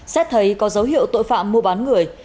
xét thấy có dấu hiệu tội phạm mua bán người